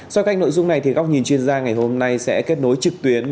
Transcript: so với cách nội dung này các nhìn chuyên gia ngày hôm nay sẽ kết nối trực tuyến